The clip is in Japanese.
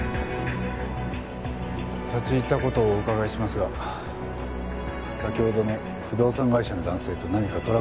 立ち入った事をお伺いしますが先ほどの不動産会社の男性と何かトラブルでも？